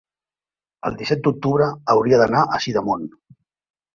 el disset d'octubre hauria d'anar a Sidamon.